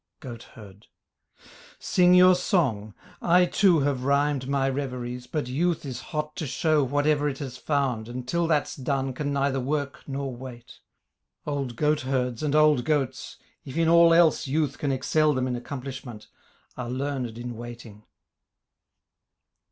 GOATHERD Sing your song, I too have rhymed my reveries, but youth Is hot to show whatever it has found And till that's done can neither work nor wait. Old goatherds and old goats, if in all else Youth can excel them in accomplishment, Are learned in waiting.